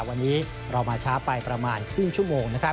วันนี้เรามาช้าไปประมาณครึ่งชั่วโมง